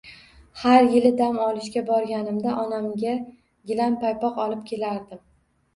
Har yili dam olishga borganimda onamga gilam paypoq olib kelardim.